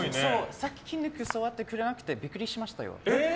さっき筋肉触ってくれなくてビックリしましたよ。